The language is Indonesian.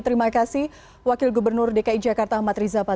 terima kasih wakil gubernur dki jakarta amat rizwan